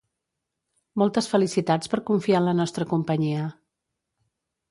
Moltes felicitats per confiar en la nostra companyia.